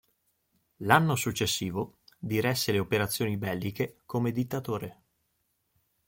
L'anno successivo diresse le operazioni belliche come dittatore.